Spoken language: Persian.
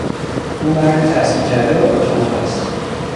او مردی تحصیل کرده و با کمال است.